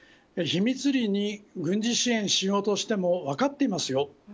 秘密裏に軍事支援しようとしても分かっていますよ。